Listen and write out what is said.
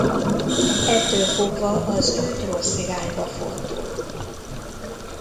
Ettől fogva az ügy rossz irányba fordul.